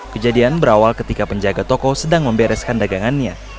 kejadian berawal ketika penjaga toko sedang membereskan dagangannya